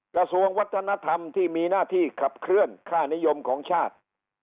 กระทรวงวัฒนธรรมที่มีหน้าที่ขับเคลื่อนค่านิยมของชาติ